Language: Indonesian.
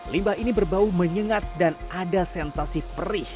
limbah ini berbau menyengat dan ada sensasi perih